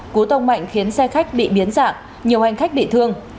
cú tông mạnh khiến xe khách bị biến dạng nhiều hành khách bị thương